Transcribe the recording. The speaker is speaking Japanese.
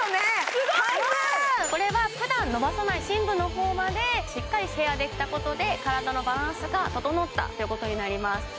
すごい！これは普段伸ばさない深部のほうまでしっかりケアできたことで体のバランスが整ったということになります